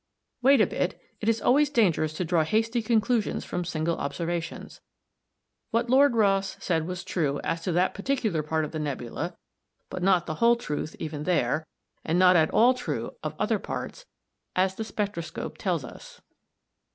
Wait a bit; it is always dangerous to draw hasty conclusions from single observations. What Lord Rosse said was true as to that particular part of the nebula, but not the whole truth even there, and not at all true of other parts, as the spectroscope tells us.